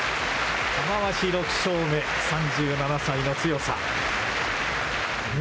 玉鷲、６勝目３７歳の強さ。